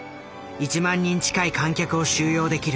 １万人近い観客を収容できる。